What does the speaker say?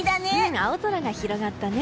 青空が広がったね。